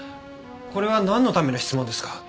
これはなんのための質問ですか？